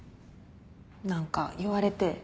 何か言われて。